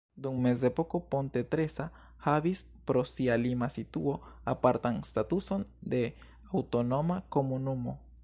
Dum mezepoko Ponte Tresa havis pro sia lima situo apartan statuson de aŭtonoma komunumo.